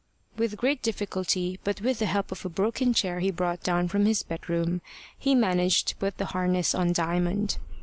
With great difficulty, but with the help of a broken chair he brought down from his bedroom, he managed to put the harness on Diamond.